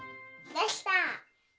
できた！